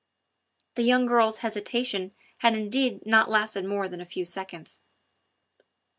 The young girl's hesitation had indeed not lasted more than a few seconds.